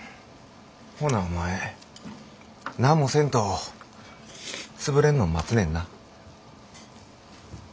ほなお前何もせんと潰れんのを待つねんな？